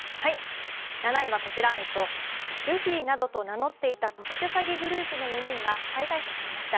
ルフィなどと名乗っていた特殊詐欺グループの４人が逮捕されました。